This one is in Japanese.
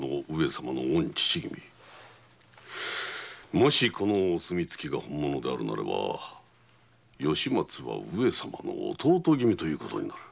もしこのお墨付きが本物ならば吉松は上様の弟君ということに。